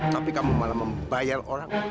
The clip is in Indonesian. tapi kamu malah membayar orang